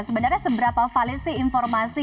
sebenarnya seberapa valid sih informasi